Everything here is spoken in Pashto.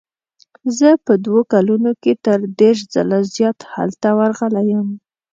زه په دوو کلونو کې تر دېرش ځله زیات هلته ورغلی یم.